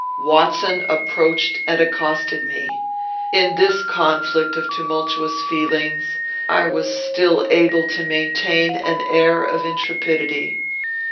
Watson approached and accosted me. In this conflict of tumultuous feelings I was still able to maintain an air of intrepidity.